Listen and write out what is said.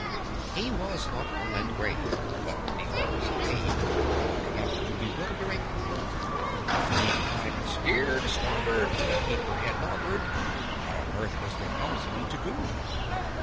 He was thoughtful and grave but the orders he gave Were enough to bewilder a crew. When he cried "Steer to starboard, but keep her head larboard!" What on earth was the helmsman to do?